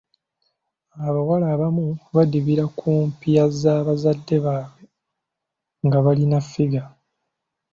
Abawala abamu badibira ku mpya za bazadde baabwe nga balina ffiga.